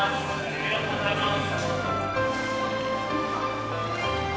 ありがとうございます。